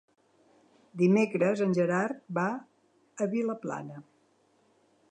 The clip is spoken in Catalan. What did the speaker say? Dimecres en Gerard va a Vilaplana.